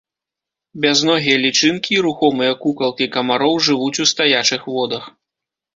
Бязногія лічынкі і рухомыя кукалкі камароў жывуць у стаячых водах.